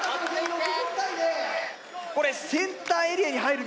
これセンターエリアに入るメリット